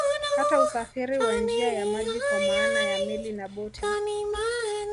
Hata usafiri wa njia ya maji kwa maana ya Meli na boti